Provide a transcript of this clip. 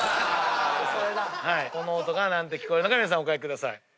この音が何て聞こえたか皆さんお書きください。